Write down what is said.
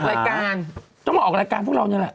ช่วยอิ่มจะต้องออกรายการต้องมาออกรายการพวกเรานี่แหละ